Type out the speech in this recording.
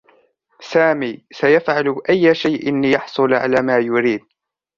سامي سَيفعل أيَّ شَيءٍ لِيحصُلَ عَلى ما يُريدُ